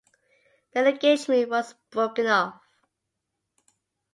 The engagement was broken off.